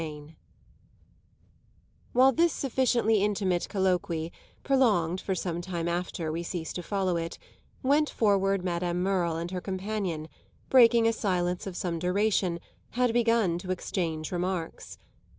CHAPTER XXV While this sufficiently intimate colloquy (prolonged for some time after we cease to follow it) went forward Madame Merle and her companion, breaking a silence of some duration, had begun to exchange remarks.